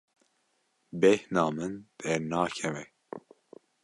Bêhna min dernakeve.